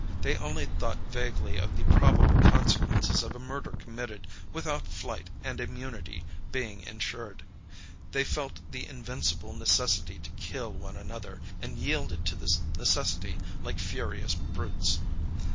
They only thought vaguely of the probable consequences of a murder committed without flight and immunity being ensured. They felt the invincible necessity to kill one another, and yielded to this necessity like furious brutes.